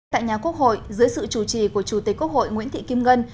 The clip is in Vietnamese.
tại nhà quốc hội dưới sự chủ trì của chủ tịch quốc hội nguyễn thị kim ngân